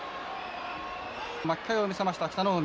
巻き替えを見せました北の湖。